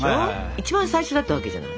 一番最初だったわけじゃない。